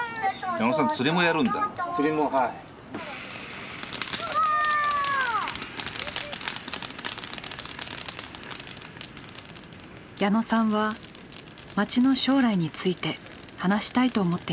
矢野さんは街の将来について話したいと思っていました。